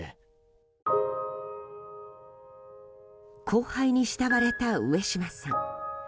後輩に慕われた上島さん。